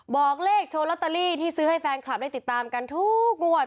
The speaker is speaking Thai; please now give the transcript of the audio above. บอกเลขโชว์ลอตเตอรี่ที่ซื้อให้แฟนคลับได้ติดตามกันทุกงวด